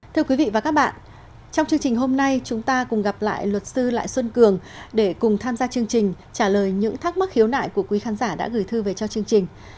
thưa quý vị và các bạn trong chương trình hôm nay chúng ta cùng gặp lại luật sư lại xuân cường để cùng tham gia chương trình trả lời những thắc mắc khiếu nại của quý khán giả đã gửi thư về cho chương trình